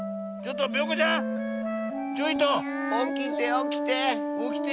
おきておきて！